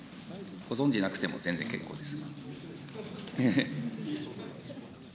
ご存じなくても、全然結構です。